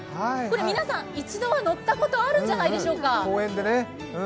皆さん、一度は乗ったことあるんじゃないでしょうか？